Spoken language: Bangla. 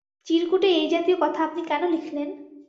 চিরকুটে এই জাতীয় কথা আপনি কেন লিখলেন।